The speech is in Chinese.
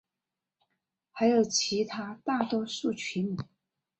还有其他大多数曲目。